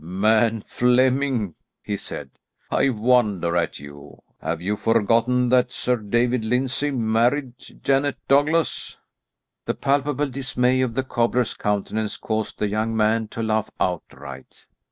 "Man Flemming," he said, "I wonder at you! Have you forgotten that Sir David Lyndsay married Janet Douglas?" The palpable dismay on the cobbler's countenance caused the young man to laugh outright.